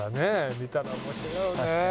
見たら面白いよね